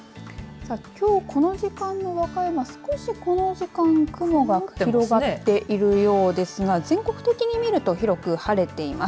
きょうこの時間の和歌山は少しこの時間雲が広がっているようですが全国的に見ると広く晴れています。